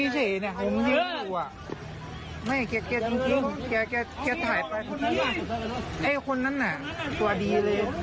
คนอันนั้นน่ะสวัสดีเลย